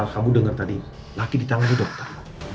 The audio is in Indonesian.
kamu dengar tadi laki di tangannya dokter